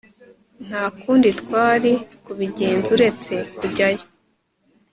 Nta kundi twari kubigenza uretse kujyayo